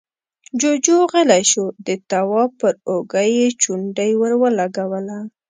جُوجُو غلی شو، د تواب پر اوږه يې چونډۍ ور ولګوله: